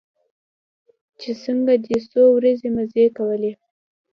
چې څنگه دې څو ورځې مزې کولې.